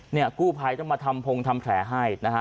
กู้ภัยต้องมาทำพงทำแผลให้นะฮะ